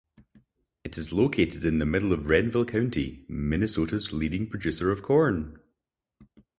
It is located in the middle of Renville County, Minnesota's leading producer of corn.